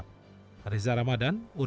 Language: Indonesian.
penyelamatan perempuan yang berpikir